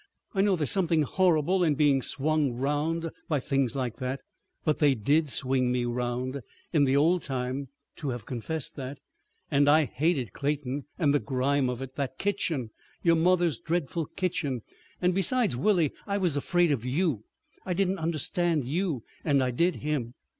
"I know there's something horrible in being swung round by things like that, but they did swing me round. In the old time—to have confessed that! And I hated Clayton—and the grime of it. That kitchen! Your mother's dreadful kitchen! And besides, Willie, I was afraid of you. I didn't understand you and I did him.